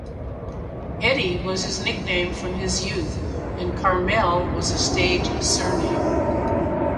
"Eddie" was his nickname from his youth, and Carmel was a stage surname.